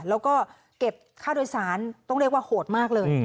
แล้วก็เก็บค่าโดยสารต้องเรียกว่าโหดมากเลย